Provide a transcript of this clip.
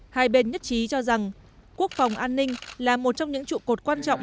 hai bên nhất trí cho rằng quốc phòng an ninh là một trong những trụ cột quan trọng